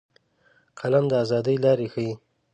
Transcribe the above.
قلم د ازادۍ لارې ښيي